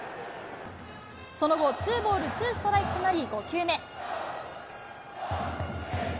その後、ツーボールツーストライクとなり、５球目。